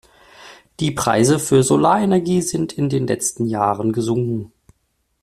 Die Preise für Solarenergie sind in den letzten Jahren gesunken.